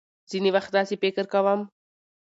ځينې وخت داسې فکر کوم .